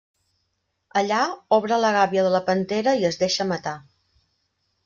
Allà, obre la gàbia de la pantera i es deixa matar.